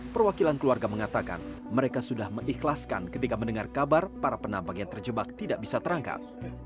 perwakilan keluarga mengatakan mereka sudah mengikhlaskan ketika mendengar kabar para penambang yang terjebak tidak bisa terangkat